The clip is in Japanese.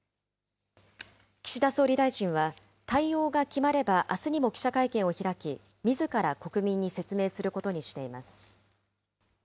岸田総理大臣は、対応が決まればあすにも記者会見を開き、みずから国民に説明することにしています。